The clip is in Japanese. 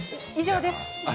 以上です。